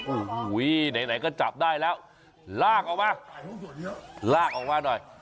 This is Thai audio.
โอ้โหไหนก็จับได้แล้วลากออกมาลากออกมาหน่อย